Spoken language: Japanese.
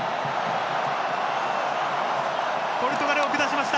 ポルトガルを下しました。